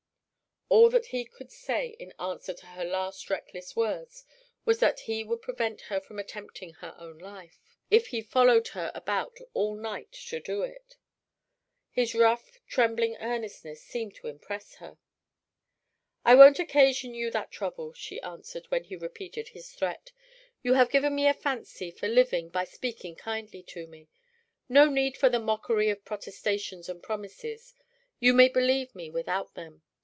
All that he could say in answer to her last reckless words was that he would prevent her from attempting her own life, if he followed her about all night to do it. His rough, trembling earnestness seemed to impress her. "I won't occasion you that trouble," she answered, when he repeated his threat. "You have given me a fancy for living by speaking kindly to me. No need for the mockery of protestations and promises. You may believe me without them.